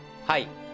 はい。